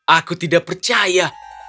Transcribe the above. aku tidak percaya